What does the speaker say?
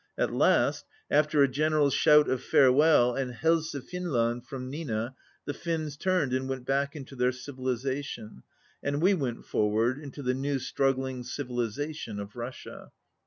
At last, after a gen eral shout of farewell, and "Helse Finland" from Nina, the Finns turned and went back into their civilization, and we went forward into the new struggling civilization of Russia.